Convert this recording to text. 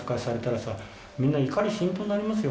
みんな怒り心頭になりますよ